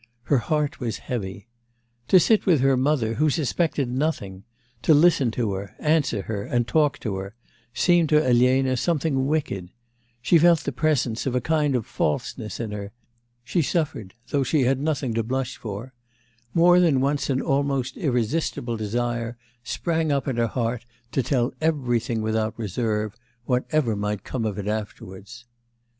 Her heart was heavy. To sit with her mother who suspected nothing, to listen to her, answer her and talk to her, seemed to Elena something wicked; she felt the presence of a kind of falseness in her, she suffered though she had nothing to blush for; more than once an almost irresistible desire sprang up in her heart to tell everything without reserve, whatever might come of it afterwards.